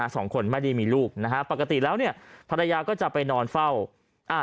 สองคนไม่ได้มีลูกปกติแล้วภรรยาก็จะไปนอนเฝ้า